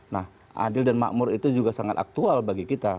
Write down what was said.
nah adil dan makmur itu juga sangat aktual bagi kita